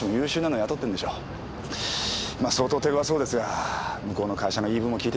まっ相当手ごわそうですが向こうの会社の言い分も聞いてみましょう。